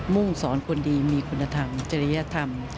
่งสอนคนดีมีคุณธรรมจริยธรรม